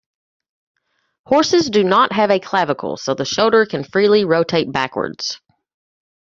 Horses do not have a clavicle, so the shoulder can freely rotate backwards.